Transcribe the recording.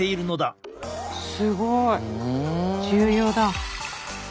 すごい！重要だ！